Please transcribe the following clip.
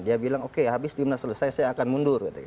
dia bilang oke habis timnas selesai saya akan mundur